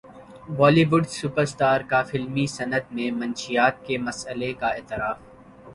بولی would superstar کا فلمی صنعت میں منشیات کے مسئلے کا اعتراف